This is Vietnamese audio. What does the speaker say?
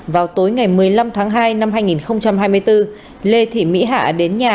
vào tối ngày một mươi năm tháng hai năm hai nghìn hai mươi bốn lê thị mỹ hạ đến nhà